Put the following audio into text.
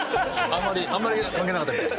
あんまり関係なかったみたい。